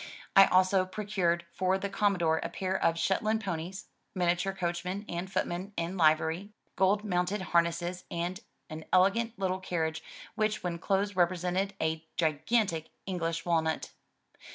I also procured for the Commodore a pair of Shetland ponies, miniature coachman and footman in livery, gold mounted harness and an elegant Uttle carriage which when closed represented a gigantic English walnut.